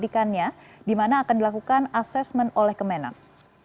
penidikannya dimana akan dilakukan asesmen oleh kemenang